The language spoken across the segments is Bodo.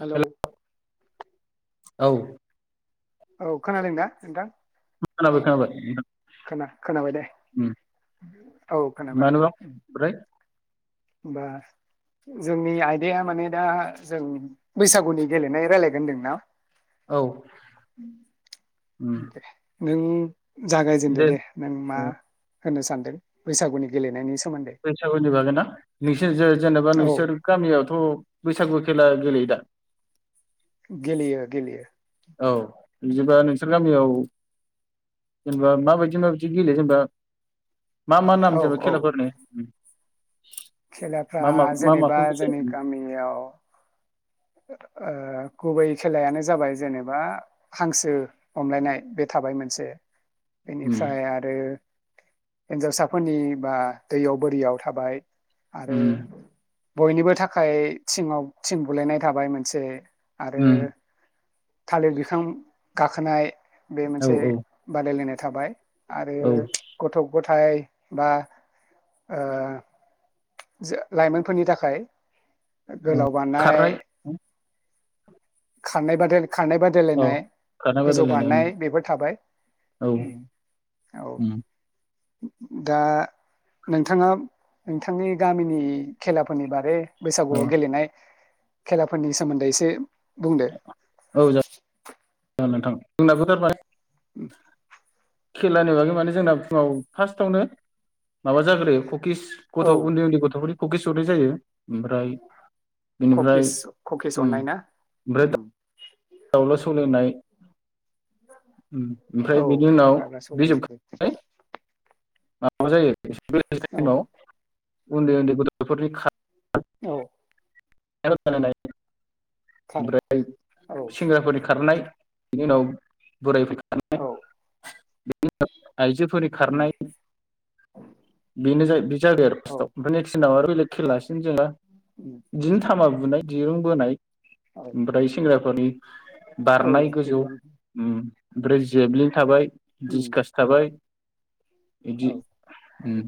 हेलौ हेल' औ औ खोनादों दा नोंथां औ खोनाबाय खोनाबाय खोना खोनाबाय दे औ खोनाबाय मानोबा ओमफ्राय होमबा जोंनि आयदाया माने दा जों बैसागुनि गेलेनाय रायलायगोन होनदोंना औ उम उमदे नों जागायजेनदो दे नों मा होनो सानदों बैसागुनि गेलेनायनि सा फैसागुनि बागैना? नोंसोर जे-जेनेबा औ नोंसोर गामियावथ औ बैसागु खेला गेलेयो दा? गेलेयो गेलेयो औ बिदिबा नोंसोर गामियाव जेनेबा माबायदि माबायदि गेले जेनेबा मा मा नाम औ जेनेबा औ खेलाफोरनि? खेलाफ्रा मा मा मा जेनेबा माखौ गेलेयो जोंनि गामियाव ओ गुबै खेलायानो जाबाय जेनेबा हांसो हमलायनाय बे थाबाय मोनसे उम एनिफ्राय आरो हिनजावसा फोरनि बा दैयाव बोरियाव थाबाय आरो उम बयनिबो थाख खाय थिङाव थिं बुलायनाय थाबाय मोनसे आरो उम थालिर बिफां गाखोनाय बे औ मोनसे औ बादायलायनाय थाबाय आरो औ गथ' गथाय बा ओ जो लाइमोनफोरनि थाखाय औ गोलाव बारनाय खारनाय खारनाय बादाय खारनाय औ बादायलायनाय खारनाय गोजौ बादायलायनाय बारनाय बेफोर थाबाय औ औ। दा नोंथाङा नोंथांनि गामिनि खेलाफोरनि बारै औ बैसागुआव गेलेनाय खेलाफोरनि सोमोन्दै एसे बुंदो। औ [unintelligible] उम खेलानि बागै माने जोंना फुङाव फार्स्टआवनो माबा जाग्रोयो ख किस औ गथ' उन्दै उन्दै गथ'फोरनि हुखि सुरि जायो। ओमफ्राय बेनिफ्राय ककिस ककिस उम अरनाय ना ओमफ्राय उम दावउला सौलायनाय। ओमफ्राय औ बेनि उनाव दाब्ला बे सौलायनायबो जोबखांनानै [unintelligible] [unintelligible] औ उन्दै उन्दै गथ'फोरनि खार औ [unintelligible] खार ओमफ्राय औ सेंग्राफोरनि खारनाय बिनि उनाव बोरायफोरनि खारनाय औ बिनि उनाव आइजोफोरनि उम खारनाय बेनो जायो बे जगोरो औ फार्स्टआव आमफाय नेक्स दिनाव आरो बेेलेग खेला [unintelligible] उम बुनाय दिरुं बोनाय औ आमफ्राय सेंग्रा फोरनि औ बारनाय गोजौ दिरुं उम ओमफ्राय जेब्लिं थाबाय उम दिडिसकास थाबाय। बिदि औ उम औ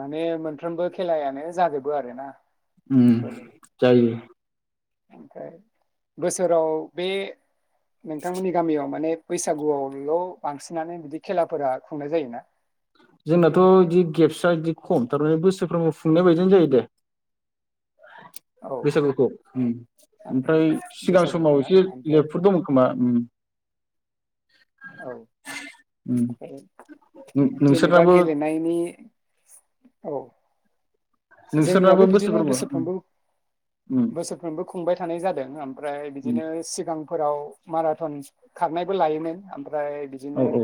माने मोनफ्रोमबो खेलायानो जाजोबो आरोना उम बेफोरो जायो ओमफ्राय बोसोराव बे नोंथांमोननि गामियाव माने बैसागुआवल' बांसिनानो बिदि खेलाफोरा खुंनाय जायोना? जोंनाथ' बिदि गेप्सआ बिदि खम थारमाने बोसोरफ्रोमबो खुंनाय बायदियानो जायो दे औ बैसागुखौ ओमफ्राय सिगां बैसागुखौ समाव ना एसे ओमफ्राय लिरफुद दङ खोमा औ उम [unintelligible] जेनेबा नोंसोरनाबो गेलेनायनि औ जोंनियाबो नोंसोरनाबो बिदिनो बोसोरफोरबो उम बोसोरफ्रोमबो बोसोरफ्रोमबो खुंबाय थानाय जादों ओमफ्राय उम उम बिदिनो सिगां फोराव माराथन खारनायबो लायोमोन ओमफ्राय औ औ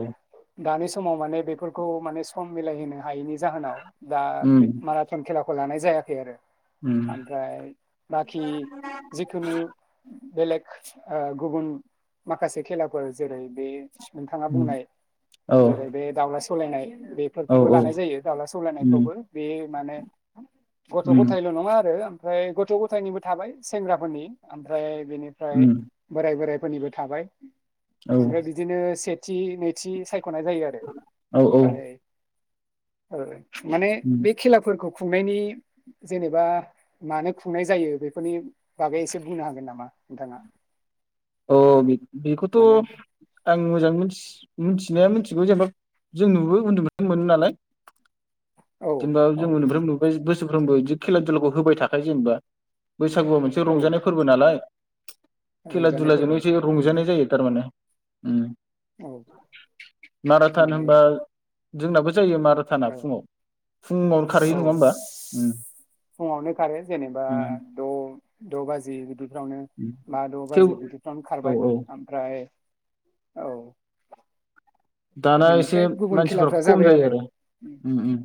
[unintelligible] समाव माने बेफोरखौ माने सम मिलायहोनो हायैनि जाहोनाव दा उम [unintelligible] खौ लानाय जायाखै आरो उम ओमफ्राय बाखि जिखुनु बेलेग गुबुन माखासे खेलाफोर जेरै नोंथाङा उम बुंनाय औ जेरै बे दउला - सौलायनाय औ बेफोरखौबो औ लानाय जायो दाउला उम सौलायनायखौबो बे माने गथ' उम गथायल' नङा आरो ओमफ्राय गथ' गथायनिबो थाबाय सेंग्राफोरनि ओमफ्राय बेनिफ्राय उम बोराय बोराय फोरनिबो थाबाय औ ओमफ्राय बिदिनो से नैथि [unintelligible] सायखनाय जायो आरो औ औ ओमफ्राय औ माने उम बे खेलाफोरखौ खुंनायनि जेनेबा मानो खुंनाय जायो बेफोरनि बागै एसे बुंनो हागोन नामा नोंथाङा अ बेखौथ' माने आं मोजां मोन मिथिनाया मिथिगौ जेनेबा जों नुबो उन्दुनो मोनो नालाय औ जेनबा औ जों मोनफ्रोम नुबाय बोस बोसोरफ्रोमबो बिदि खेला दुलाखौ होबाय थाखायो जेनेबा बैसागुआ मोनसे रंजानाय फोरबो नालाय आरो जा बिदिनो एसे रंजानाय जायो थार उम औ माराथान माने होनोबा जोंनाबो जायो मार थाना औ फुङाव फुङावनो खारहैयो औ नङा होमबा उम फुङावनो खारो जेनेबा उम द द' बाजि बिदिफ्रावनो बा द' थेव बाजि बिदि औ खारबाय औ ओमफ्राय औ दाना एसे बिनिफ्राय गुबुन मानसिफोर खेलाफ्रा खम जाबाय जायो आरो उम उम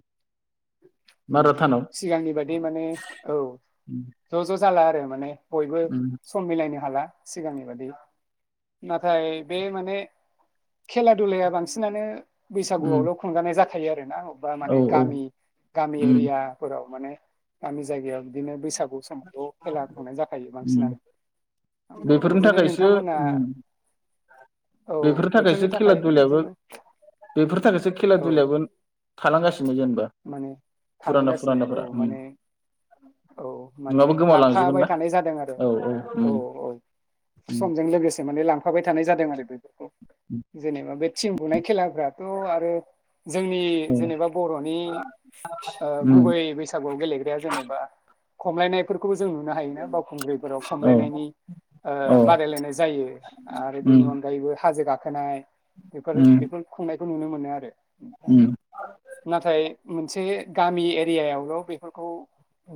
माराथानाव सिगांनि बादि माने औ उम ज' ज' जाला आरो माने बयबो उम सम मिलायनो हाला सिगांनि बादि नाथाय बे माने खेला दुलाया बांसि बांसिनानो उम बैसागुआवल' खुंजानाय जा थायो आरोना आंनाव बा औ माने औ गामि गामि उम एरियाफोराव माने गामि जायगायाव बिदिनो बैसागु समावल' खेला खुंनाय जाखायो उम बांसिनानो ओमफ्राय बेफोरनि बिदिनो थाखायसो नोंथांमोना उम औ बोथोरनि थाखाय बिदिनो बेफोर थाखायसो खेला औ दुलायावबो थालांगासिनो गोजोन माने थालांगासिनो औ उम माने औ माने नङाबा गोमालांजोबगोन लांफाबाय ना थानाय जादों आरो औ औ उम औ समजों लोगोसे माने लांफाबाय थानाय जादों आरो जेनेबा बे थिं बुनाय खेलाफ्रा औ आरो जोंनि जेनेबा बर'नि उम गुबै बैसागुआव गेलेग्राया जेनेबा खमलायनायफोरबो बो जों नुनो हायोना बावखुंग्रिफोराव औ खमलायनायनि औ बादायलायनाय जायो आरो बेनि उम अनगायैबो हाजो गाखो खोनानाय बेफोर उम बेफोर खुंनाय खौ नुनो मोनो आरो उम नाथाय मोनसे गामि एरियायावल' बेफोरखौ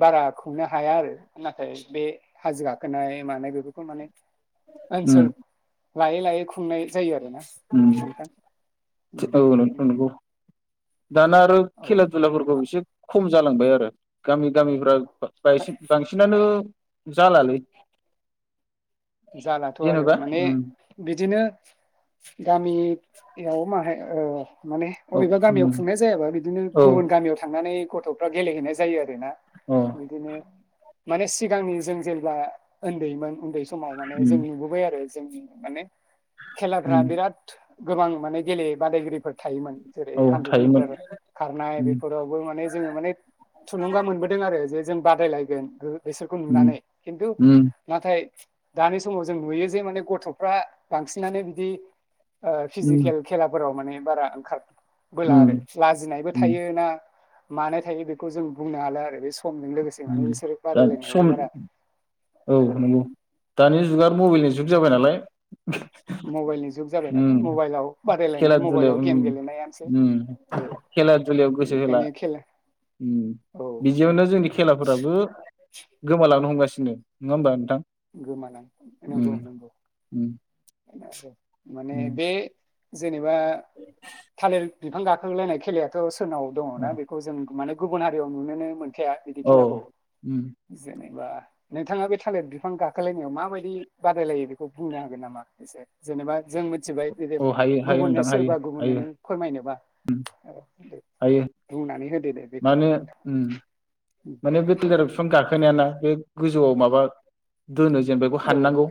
बारा खुंनो हाया आरो नाथाय बे हाजो गाखोनाय मानाय बेफोरखौ माने उम ओनसोल। लायै लायै खुंनाय जायो आरोना। उम नोंथां औ नंगौ नंगौ। दाना आरो औ खेला दुलाफोरखौ एसे। खम जालांबाय आरो गामि। गामिफोराव बांसिनानो। जालालै। जालाथ' आरो जेनेबा माने उम बिदिनो। गामियाव माहाय ओ माने औ अबेबा गामियाव उम खुंनाय जायाबा बिदिनो औ गुबुन गामियाव थांनानै। गथ'फ्रा गेलेहैनाय जायो। बेना औ बिदिनो। माने सिगांनि जों जेब्ला उन्दैमोन उन्दै। समाव माने जों उम नुबोबाय आरो। जों माने खेलाफ्रा उम बिराद। गोबां माने गेले बादायगिरिफोर थायोमोन जेरै औ हानद्रेद थायोमोन मिटार खारनाय उम बेफोरावबो माने जोंओ माने थुलुंगा मोनबोदों आरो ओरैजाय जों बादायलायगोन। बिसोरखौ उम नुनानै खिन्थु उम नाथाय दानि समाव जों नुयो जे माने गथ'फ्रा बांसिनानो बिदि ओ उम फिजिकेल खेलाफोराव माने बारा ओंखार। बोला‌ उम आरो लाजिनायबो उम थायो ना मानो थायो बेखौ जों बुंनो हाला आरो बे समजों लोगोसे माने उम बिसोरो दा बादायलायनायावबो सम बारा औ ओ नंगौ। दानि जुगा मबाइलनि जुग जाबाय नालाय। मबाइलनि जुग जाबाय नालाय उम मबाइलाव बादायलायनाय खेला मबाइलाव दुलायाव उम गेम गेलेनायानोसै उम ओ खेला दुलायाव गोसो होला बेनिखायनो खेला उम औ औ बिदियावनो जोंनि खेलाफोराबो गोमालां नो हमगासिनो। नंआ होमबा नोंथां? गोमालां नंगौ उम नंगौ। उम [unintelligible] माने उम बे जेनेबा थालिर बिफां गाखोलायनाय खेलायाथ' सोरनाव दङ ना बेखौ जों माने गुबुन हारियाव नुनोनो मोन खाया बिदि औ खेलाखौ उम जेनेबा नोंथाङा बे थालिर बि बिफां गाखोलायनायाव माबायदि बादायलायो बेखौ बुंनो हागोन नामा एसे जेनेबा जों मिथिबाय बिदि औ हायो हायो गुबुननो नोंथां हायो सोरबा हायो गुबुननोनो फोरमायनोबा हायो। नै हो माने उम माने बे थालेर बिफां गाखोनाया ना? बे गोजौआव माबा दोनो जेनेबा बेखौ औ हाननांगौ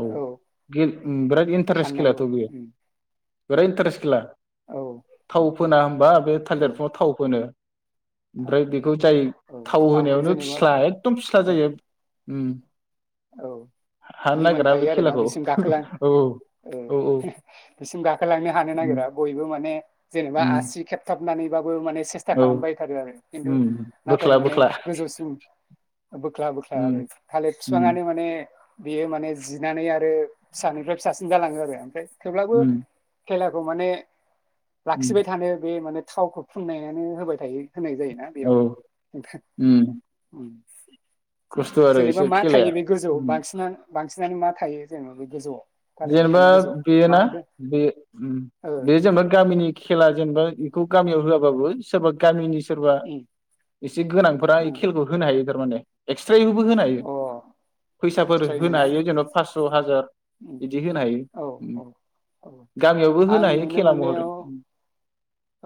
औ बियो बिराद इन्टारेस्ट खेलाथ' हाननांगौ बेयो। उम, बिराद इन्टारेस्ट खेला। औ थाव औ फोना होमबा बे थालिर बिफाङाव थाव फोनो। औ ओमफ्राय बेखौ जाय औ थाव थावखौ होनायावनो जेनेबा फिस्ला एखदम फिस्ला औ जायो। उम। औ हानो नागिरा बे लिमोनखायो आरोना खेलाखौ बेसिम गाखोलां औ औ हो बिसिम गाखोलांनो हानो उम नागिरा बयबो माने जेनेबा उम आसि खेबथाब नैबा बयबो माने सेस्था औ खालामबाय थारो आरो खिन्थु उम नाथाय बोख्ला माने बोख्ला गोजौसिम बोख्ला-बोख्ला उम आरो थालिर उम फिफांआनो माने बेयो माने जिनानै आरो फिसानिफ्राय फिसासिन जालाङो आरो ओमफ्राय थेवब्लाबो उम खेलाखौ माने उम लाखिबाय थानो बे माने थावखौ फुननायानो होबाय थायो। होनाय जायोना औ बेयाव उम उम्म। खस्थ' आरो जेनेबा एसे मा खेलाया थायो बे गोजौ उम बांसिना बांसिनानो मा थायो जेनेबा बे गोजौआव? थालिर जेनेबा बिफांनि गोजौआव बेयो मा ना दो बे ओ बे जेनेबा गामिनि खेला जेनेबा बेखौ गामियाव होआबाबो सोरबा गामिनि सोरबा उम एसे गोनांफोरा ए खेलखौ होनो हायो। माने स्रायैबो होनो हायो उम अ फैसाफोर होनो स्ट्रयबोना हायो जेन'बा पास्स' हाजार बिदि होनो हायो औ ओम औ औ गामियावबो आं होनो हायो नुनो खेला महरै मोननायाव ओम।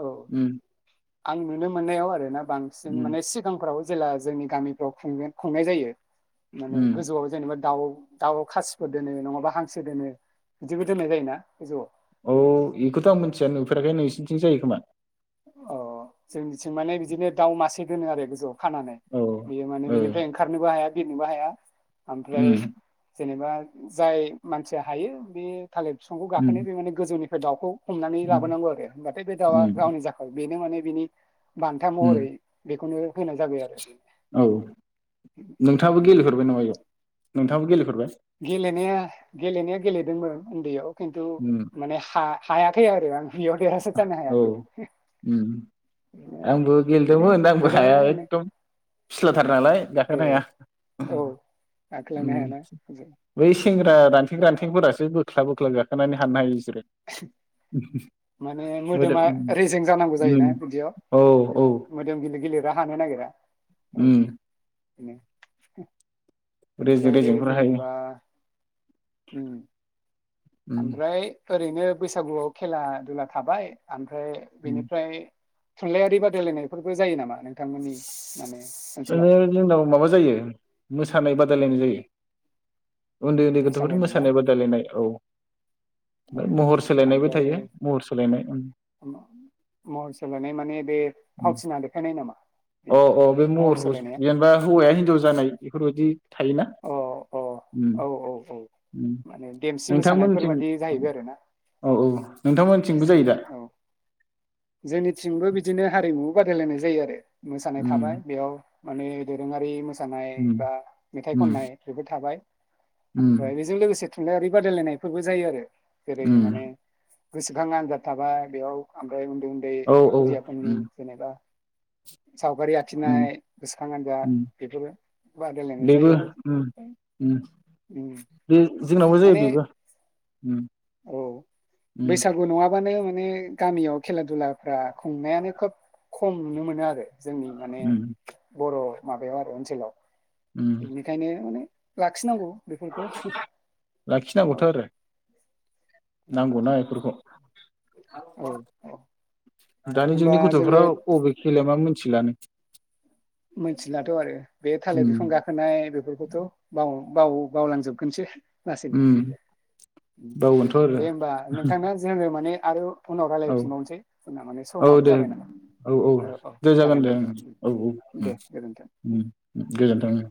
औ उम्म। आं नुनो मोन्नायाव आरोना बांसिन माने सिगांफोर जेला जोंनि गामिफ्राव खुंगोन खुंनाय जायो माने उम गोजौआव जेनेबा [unintelligible] दाउ खासिफोर दोनो नङाबा हांसो दोनो बिदिबो दोननाय जायोना। औ बेखौथ' आं मिथिया नुफेराखै नोंसिनिथिं जायो खोमा। अ जोंनिथिं माने बिदिनो दाउ मासे दोनो आरो। खानानै औ बियो माने औ बेनिफ्राय ओंखारनोबो हाया बिरनोबो हाया ओमफ्राय उम जेनेबा जाय मानसिया हायो बे थालिर बिफांखौ गाखोनो उम बे माने गोजौनि बे दाउखौ हमनानै उम लाबोनांगौ आरो होनबाथाय बे दाउआ गावनि बेनो माने बिनि बान्था उम महरै बेखौनो होनाय जाबाय आरो। औ नोंथाबो गेलेफेरबाय? गेलेनाया गेलेनाया गेलेदोंमोन उन्दैयाव। खिन्थु उम माने हा हायााखै आरो आं बियाव देरहासार जानो औ हायाखै। उम बेनो आरो आंबो माने गेलेदोंमोन आंबो गोबां हाया माने एकदम फिस्लाथार नालाय गाखोनो ओ हाया औ आख्लायनो उम हायाना जों बै सेंग्रा रान्थें रान्थेंफोरास सो ख्लाब-ख्लाब जानो खोनानै हान्नो हायो इसोरो माने मोदोमा रेजें जानांगौ उम जायोना बिदियाव औ औ माने मोदोम गिलिर गिलिर या हानो नागेरा उम इनो हो रेजें आमफ्राय रेजेंफोराहाय उम जेनेबा उम आमफ्राय ओरैनो बैसागुआव खेला दुला थाबाय आम फ्राय उम बेनिफ्राय थुनलाइयारि बादायलायनायफोरबो जायो नामा नोंथांमोननि माने ओनसोलाव माने जोंनाव माबा जायो मोसानाय बादायलायनाय जायो। उन्दै उन्दै गथ'फोरनि मोसालायनाय ना मोसानाय बादायलायनाय औ औ माय महर सोलायनायबो ओमफ्राय थायो महर सोलायनाय उम महर सोलायनाय माने बे उम फावथिना देखायनाय नामा बे औ औ बे महर मह खौज सोलायनाया जेनेबा हौवाया हिनजाव जानाय इफोर बादि थायोना? अ अ उम औ औ औ उम माने देमसि नोंथांमोनथिम मोसानायफोरबादि औ जाहैबाय आरोना औ औ नोंथांमोन थिंबो जायो दा? औ जोंनिथिंबो बिदिनो हारिमु बादायलायनाय जायो आरो। मोसानाय थाबाय उम बेयाव माने दोरोंङारि मोस सानाय उम बा मेथाइ उम खननाय बेफोर थाबाय उम आमफ्रायाइ बेजों लोगोसे थुनलाइयारि बादायलायनायफोरबो जायो आरो जेरै उम माने गोसोखां आनजाद थाबाय बेयाव उन्दै उन्दै औ औ खुदैयाफोरनि उम जेनेबा सावगारि उम आखिनाय, गोसोखां आनजाद उम बेफोर बादायलायनाय बेबो जायो आरो उम उम उम बे जोंनावबो जायो माने बेबो उम औ उम बैसागु नङा [unintelligible] माने गामियाव खेला दुलाफ्रा खुंनायानो खोब खम नुनो मोनो आरो जोंनि माने उम बर' माबायाव आरो ओनसोलाव। उम एनिखायनो माने लाखि नांगौ। बेफोरखौ औ। औ नांगौ ना इफोरखौ। औ दानि होमबा जुगनि जोङो गथ'फ्रा अबे खेलाया मा मिथिलानो। मोनथिलाथ' आरो बे थालिर उम बिफां गाखोनाय बेफोरखौथ' बावो। बावो बावलांजोबगोनसो। लासैनो। उम उम उम बावगोनथ' आरो दे होमबा नोंथाङा जोङो माने आरो फनाव औ रायलायफिनबावनोसै जोंना माने औ समाबो दे जाबाय नामा औ औ दे जागोन दे ओं औ औ दे। उम गोजोन्थों उम गोजोनथों ओं।